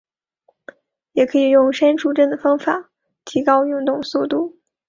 也可以用删除帧的办法提高运动速度。